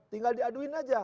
tinggal diaduin aja